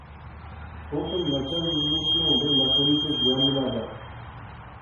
بۇ خىل ناچار يۈزلىنىشنىڭ بىر مەسئۇلىيىتى زىيالىيلاردا.